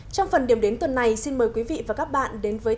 trong phần điểm đến tuần này xin mời quý vị và các bạn đến với